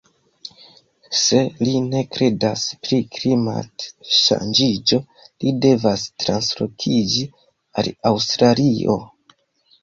Se li ne kredas pri klimat-ŝanĝiĝo li devas translokiĝi al Aŭstralio